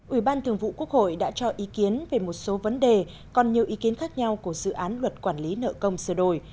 ủy ban thường vụ quốc hội đã cho ý kiến về một số vấn đề còn nhiều ý kiến khác nhau của dự án luật quản lý nợ công sửa đổi